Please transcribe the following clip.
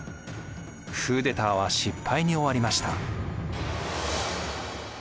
クーデターは失敗に終わりました。